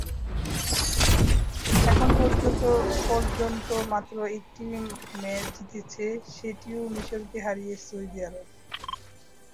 এখন পর্যন্ত মাত্র একটি ম্যাচ জিতেছে, সেটিও মিসরকে হারিয়েছে সৌদি আরব।